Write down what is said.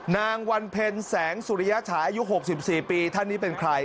นางวันเพ็ญแสงสุริยฉายอายุ๖๔ปีท่านนี้เป็นใคร